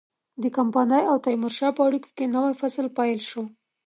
د کمپنۍ او تیمورشاه په اړیکو کې نوی فصل پیل شو.